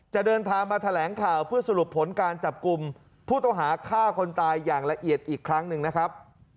เดินทางมาแถลงข่าวเพื่อสรุปผลการจับกลุ่มผู้ต้องหาฆ่าคนตายอย่างละเอียดอีกครั้งหนึ่งนะครับ